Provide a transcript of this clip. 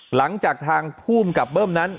หลังจากทางภูมิกับเบิ้มนั้น